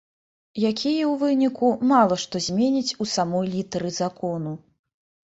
Якія, у выніку, мала што зменяць у самой літары закону.